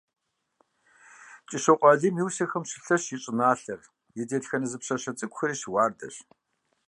КӀыщокъуэ Алим и усэхэм щылъэщщ и щӀыналъэр, и дэтхэнэ зы пщӀащэ цӀыкӀури щыуардэщ.